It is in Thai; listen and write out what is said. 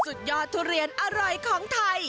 สุดยอดทุเรียนอร่อยของไทย